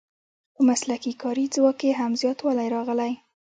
په مسلکي کاري ځواک کې هم زیاتوالی راغلی.